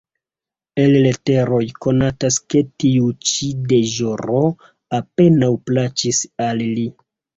El leteroj konatas ke tiu ĉi deĵoro apenaŭ plaĉis al li.